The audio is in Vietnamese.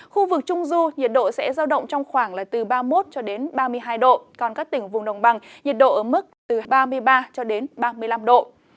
khu vực trung du nhiệt độ sẽ giao động trong khoảng là từ ba mươi một ba mươi hai độ còn các tỉnh vùng đồng bằng nhiệt độ ở mức từ ba mươi ba ba mươi năm độ